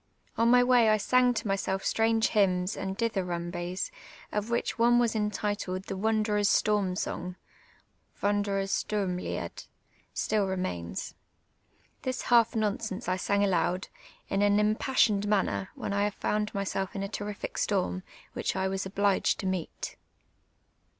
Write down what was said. On my wav I san)' to mvsclf stranj^e hvnms and dithvnnnbics, of which one entitled "The Wanderer's Slonn sonj;" {Wati' dcrers ISturmlit'd) still remains. This half nonsense I sang aloud, in an imj)assi()ned manner, when I found myself in a terrific storm, which I was ohlij^ed to meet.